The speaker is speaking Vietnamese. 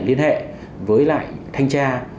liên hệ với lại thanh tra